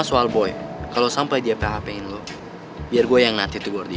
terutama soal boy kalau sampai dia php in lo biar gue yang ngati ngati tuh buat dia